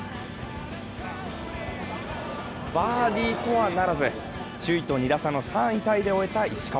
バーディーとはならず、首位と２打差の３位タイで終えた石川。